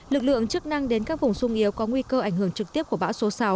lực lượng chức năng đến các vùng sung yếu có nguy cơ ảnh hưởng trực tiếp của bão số sáu